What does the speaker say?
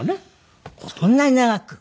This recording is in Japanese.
そんなに長く？